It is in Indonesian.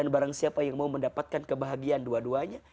barang siapa yang ingin mendapatkan kebahagiaan akhirat